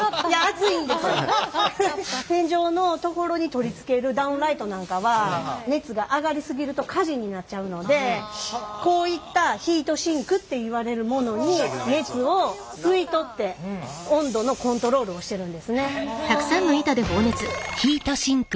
天井のところに取り付けるダウンライトなんかは熱が上がり過ぎると火事になっちゃうのでこういったヒートシンクっていわれるものに熱を吸い取って温度のコントロールをしてるんですね。